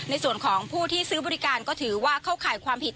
ในส่วนของผู้ที่ซื้อบริการก็ถือว่าเข้าข่ายความผิด